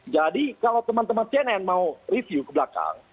jadi kalau teman teman cnn mau review ke belakang